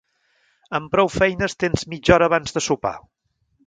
Amb prou feines tens mitja hora abans de sopar.